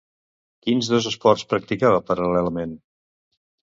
Quins dos esports practicava paral·lelament?